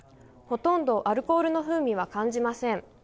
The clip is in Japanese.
ほとんどアルコールの風味は感じません。